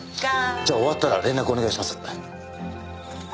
じゃあ終わったら連絡お願いします。